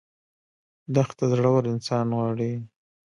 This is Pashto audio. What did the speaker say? دښته زړور انسان غواړي.